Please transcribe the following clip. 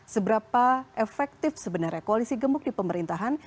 seberapa efektif sebenarnya koalisi gemuk di pemerintahan